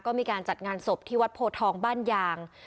ก็มีการจัดงานศพที่วัดโพทองบ้านยาง